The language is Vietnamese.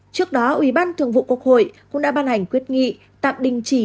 trước đó ủy ban thường vụ quốc hội cũng đã ban hành quyết nghị tạm đình chỉ